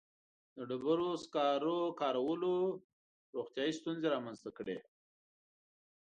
• د ډبرو سکرو کارولو روغتیایي ستونزې رامنځته کړې.